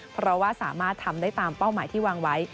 เพราะว่าสามารถทำได้ตามเป้าหมายที่วางไว้